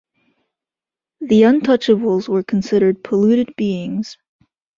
The Untouchables were considered polluted beings.